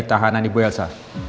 tahanan ibu elsa